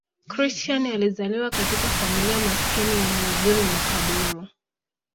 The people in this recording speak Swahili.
Christian alizaliwa katika familia maskini ya mhubiri makaburu.